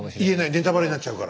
ネタバレになっちゃうから。